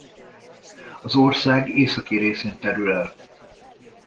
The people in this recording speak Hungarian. Az ország északi részén terül el.